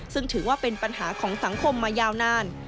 ซึ่งถือว่าเป็นปัญหาของสังคมมายาวนาน